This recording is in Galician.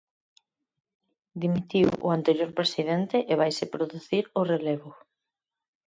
Dimitiu o anterior presidente e vaise producir o relevo.